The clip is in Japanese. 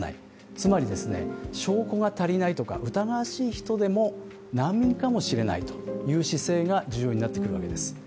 つまり証拠が足りないとか疑わしい人でも、難民かもしれないという姿勢が重要になってくるわけです。